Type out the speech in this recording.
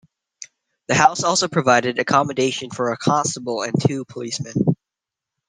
The house also provided accommodation for a constable and two policemen.